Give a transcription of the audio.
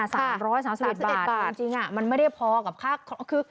๓๐๐ศาสตรีบาทที่จริงมันไม่ได้พอกับค่าคือ